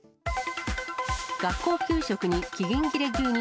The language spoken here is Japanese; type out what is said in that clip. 学校給食に期限切れ牛肉。